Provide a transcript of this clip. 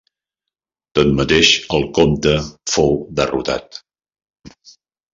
Tanmateix, el comte fou derrotat.